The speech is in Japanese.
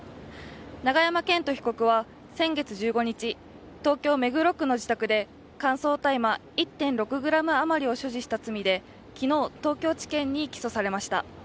永山絢斗被告は、先月１５日東京・目黒区の自宅で乾燥大麻１．６ｇあまりを所持した罪で、昨日、東京地検に起訴されました。